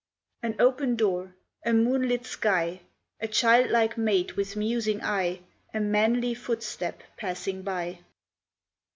An open door, a moonlit sky, A child like maid with musing eye, A manly footstep passing by.